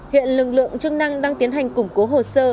hiện lực lượng chức năng đang tiến hành củng cố hồ sơ